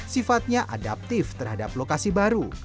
sifatnya adaptif terhadap lokasi baru